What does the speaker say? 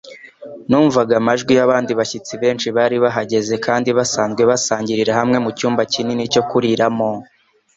Numvaga amajwi yabandi bashyitsi benshi bari bahageze kandi basanzwe basangirira hamwe mucyumba kinini cyo kuriramo